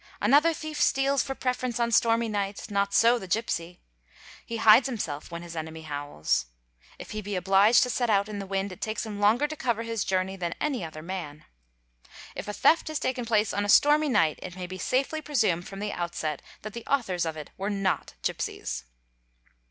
Another thief steals for preference on stormy nights; not so the gipsy ; he hides himself when his enemy howls. If he be obliged to set + a: « out in the wind it takes him longer to cover his journey than any other 7 man. If a theft has taken place on a stormy night it may be safely _ presumed from the outset that the authors of it were not gipsies.